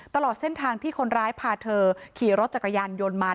ตลอดเส้นทางที่คนร้ายพาเธอขี่รถจักรยานยนต์มา